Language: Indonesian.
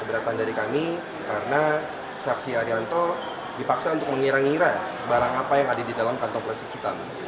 keberatan dari kami karena saksi arianto dipaksa untuk mengira ngira barang apa yang ada di dalam kantong plastik hitam